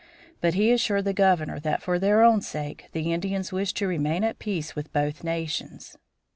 But he assured the governor that for their own sake the Indians wished to remain at peace with both nations.